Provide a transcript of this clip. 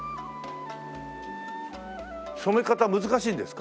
染め方難しいんですか？